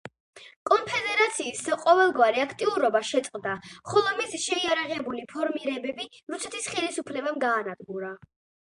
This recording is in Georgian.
კონფედერაციის ყოველგვარი აქტიურობა შეწყდა, ხოლო მისი შეიარაღებული ფორმირებები რუსეთის ხელისუფლებამ გაანადგურა.